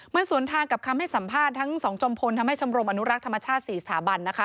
มันสวนทางกับคำให้สัมภาษณ์ทั้ง๒จอมพลทำให้ชมรมอนุรักษ์ธรรมชาติ๔สถาบันนะคะ